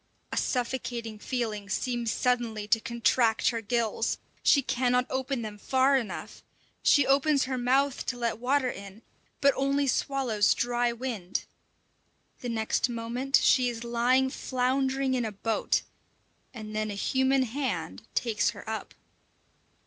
A suffocating feeling seems suddenly to contract her gills; she cannot open them far enough. She opens her mouth to let water in, but only swallows dry wind. The next moment she is lying floundering in a boat, and then a human hand takes her up.